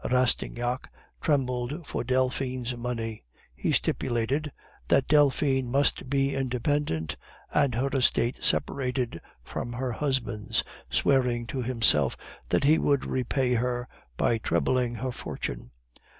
Rastignac trembled for Delphine's money. He stipulated that Delphine must be independent and her estate separated from her husband's, swearing to himself that he would repay her by trebling her fortune.